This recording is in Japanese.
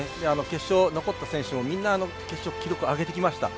決勝残った選手もみんな決勝記録を上げてきました。